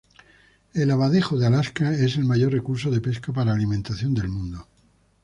El abadejo de Alaska es el mayor recurso de pesca para alimentación del mundo.